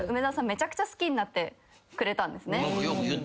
めちゃくちゃ好きになってくれたんですね。